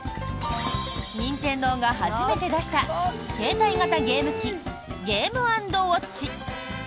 任天堂が初めて出した携帯型ゲーム機ゲーム＆ウオッチ。